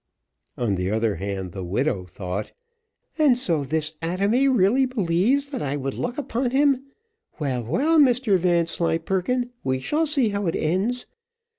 On the other hand the widow thought, "And so this atomy really believes that I would look upon him! Well, well, Mr Vanslyperken, we shall see how it ends.